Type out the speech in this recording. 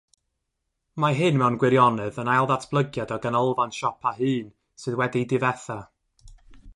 Mae hyn mewn gwirionedd yn ail-ddatblygiad o ganolfan siopa hŷn sydd wedi'i difetha.